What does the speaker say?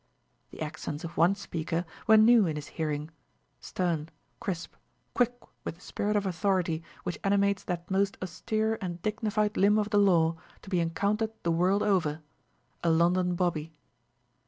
The accents of one speaker were new in his hearing, stern, crisp, quick with the spirit of authority which animates that most austere and dignified limb of the law to be encountered the world over, a London bobby.